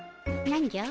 何じゃ？